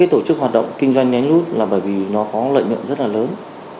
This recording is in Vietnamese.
tổ chức hoạt động kinh doanh nhánh nút là bởi vì nó có lợi nhuận rất là lớn